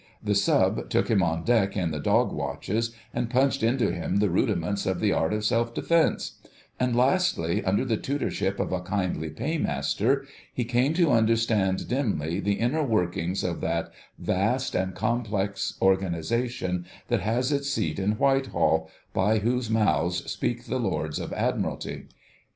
The Sub. took him on deck in the dog watches, and punched into him the rudiments of the art of self defence; and, lastly, under the tutorship of a kindly Paymaster, he came to understand dimly the inner workings of that vast and complex organisation that has its seat in Whitehall, by whose mouths speak the Lords of Admiralty.